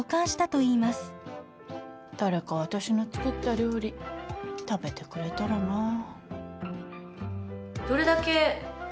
誰か私の作った料理食べてくれたらなぁ。